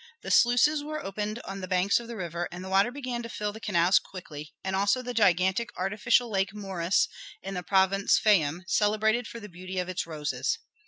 The sluices were opened on the banks of the river, and the water began to fill the canals quickly, and also the gigantic artificial lake, Moeris, in the province Fayum, celebrated for the beauty of its roses.